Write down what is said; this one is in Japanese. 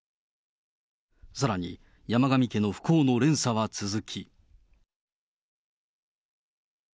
さらに、山上家の不幸の連鎖は続き。